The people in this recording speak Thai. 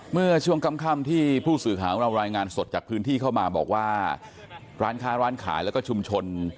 เมื่อช่วงค่ำที่ผู้สื่อข่าวของเรารายงานสดจากพื้นที่เข้ามาบอกว่าร้านค้าร้านขายแล้วก็ชุมชน